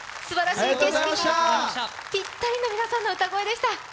すばらしい景色にぴったりの皆さんの歌声でした。